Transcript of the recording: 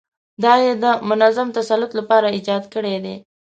دا یې د منظم تسلط لپاره ایجاد کړي دي.